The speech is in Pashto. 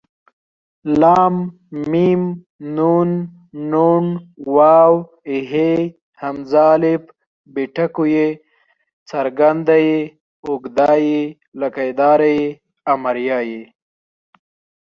ل م ن ڼ و ه ء ی ي ې ۍ ئ